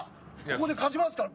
ここで勝ちますから。